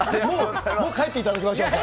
もう帰っていただきましょうか。